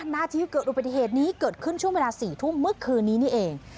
นาทีเกิดอุบัติเหตุนี้เกิดขึ้นช่วงเวลา๔ทุ่มเมื่อคืนนี้นี่เอง